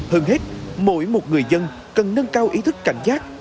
hơn hết mỗi một người dân cần nâng cao ý thức cảnh giác